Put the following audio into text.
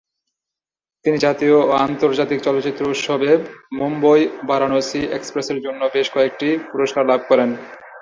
তিনি জাতীয় ও আন্তর্জাতিক চলচ্চিত্র উৎসবে মুম্বই বারাণসী এক্সপ্রেসের জন্য বেশ কয়েকটি পুরস্কার লাভ করেন।